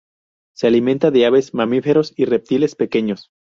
Se alimenta de aves, mamíferos y reptiles pequeños.